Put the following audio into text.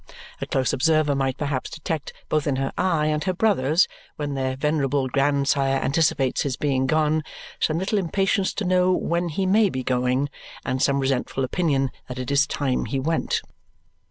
A close observer might perhaps detect both in her eye and her brother's, when their venerable grandsire anticipates his being gone, some little impatience to know when he may be going, and some resentful opinion that it is time he went.